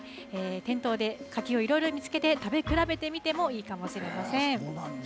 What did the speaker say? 店頭で柿をいろいろ見つけて食べ比べてみてもいいかもしれません。